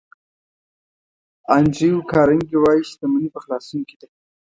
انډریو کارنګي وایي شتمني په خلاصون کې ده.